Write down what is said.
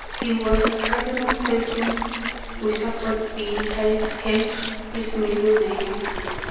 He was a cousin of President Rutherford B. Hayes, hence his middle name.